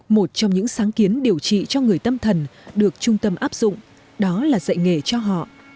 một trong những sáng kiến điều trị cho người tâm thần được trung tâm áp dụng đó là dạy nghề cho họ